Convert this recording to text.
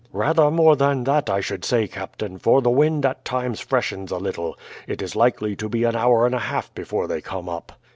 "Rather more than that, I should say, captain, for the wind at times freshens a little. It is likely to be an hour and a half before they come up."